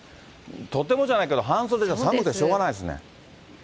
とてもじゃないけど、半袖じゃ寒くてしょうがないですね。